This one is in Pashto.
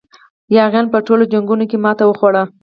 یاغیانو په ټولو جنګونو کې ماته وخوړه.